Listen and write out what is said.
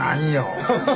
ハハハハハ！